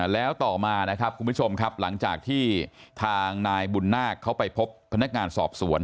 แล้วต่อมานะครับคุณผู้ชมครับหลังจากที่ทางนายบุญนาคเขาไปพบพนักงานสอบสวน